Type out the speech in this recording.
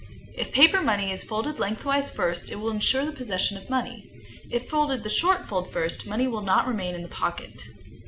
If paper money is folded lengthwise first, it will insure the possession of money. If folded the short fold first, money will not remain in the pocket.